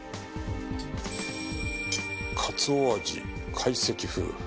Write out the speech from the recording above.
「かつお味懐石風」